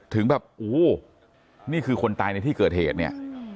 ถึงแบบอู้นี่คือคนตายในที่เกิดเหตุเนี่ย